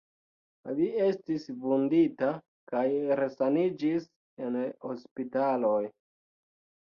Li estis vundita kaj resaniĝis en hospitaloj.